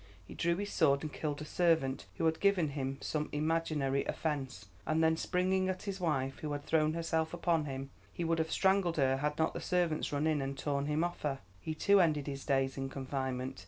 He drew his sword and killed a servant who had given him some imaginary offence, and then, springing at his wife, who had thrown herself upon him, he would have strangled her had not the servants run in and torn him off her. He, too, ended his days in confinement.